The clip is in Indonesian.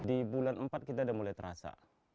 di bulan empat kita sudah mulai terasa